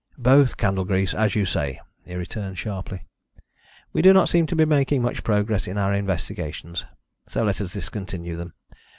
"Both candle grease, as you say," he returned sharply. "We do not seem to be making much progress in our investigations, so let us discontinue them.